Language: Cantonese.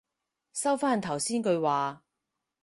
收返頭先句話